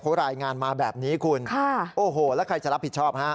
เขารายงานมาแบบนี้คุณค่ะโอ้โหแล้วใครจะรับผิดชอบฮะ